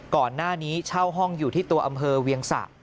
ก่อนหน้านี้เช่าห้องอยู่ที่ตัวอำเภอเวียงสะ